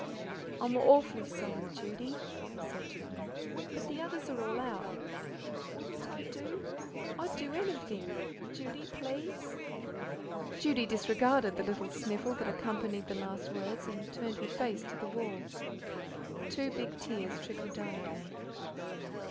"I'm awf'ly sorry, Judy," he said gently, "but the others are all out. Wouldn't I do? I'd do anything, Judy please." Judy disregarded the little sniffle that accompanied the last words, and turned her face to the wall. Two big tears trickled down again.